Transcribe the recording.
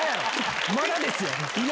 まだですよ！